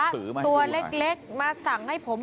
ตัวเล็กมาสั่งให้ผม